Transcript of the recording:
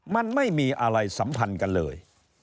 มันไม่มีอะไรสัมพันธ์กันเลย